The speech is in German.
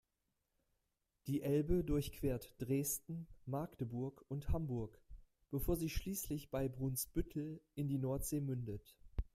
Die Elbe durchquert Dresden, Magdeburg und Hamburg, bevor sie schließlich bei Brunsbüttel in die Nordsee mündet.